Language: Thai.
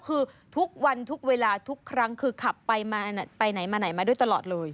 คือทุกวันทุกเวลาทุกครั้งคือขับไปไหนมาไหนมาด้วยตลอดเลย